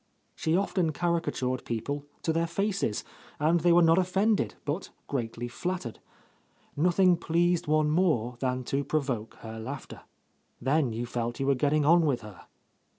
She often caricatured people to their faces, and they were not offended, but greatly flattered. Nothing pleased one more than to provoke her laughter. Then you felt you were getting on with her.